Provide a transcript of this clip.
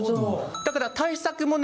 だから対策もね